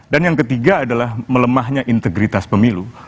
dan yang ketiga adalah melemahnya integritas pemilu